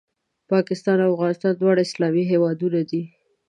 پاکستان او افغانستان دواړه اسلامي هېوادونه دي